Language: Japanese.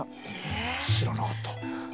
え知らなかった。